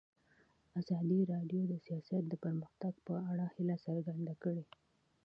ازادي راډیو د سیاست د پرمختګ په اړه هیله څرګنده کړې.